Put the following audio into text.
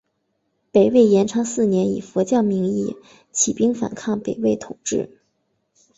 北魏延昌四年以佛教名义起兵反抗北魏统治。